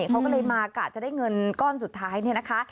เขาก็เลยมากะจะได้เงินก้อนสุดท้ายเนี่ยนะคะ